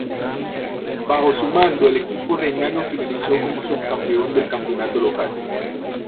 Bajo su mando, el equipo renano finalizó como subcampeón del campeonato local.